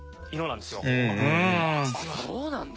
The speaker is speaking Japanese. あっそうなんだ！